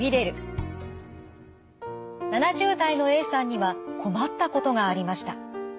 ７０代のＡさんには困ったことがありました。